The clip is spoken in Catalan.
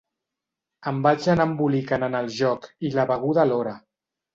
Em vaig anar embolicant en el joc i la beguda alhora.